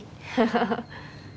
ハハハ。